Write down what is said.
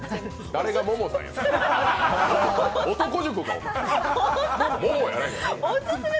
誰がももさんや、「男塾」か。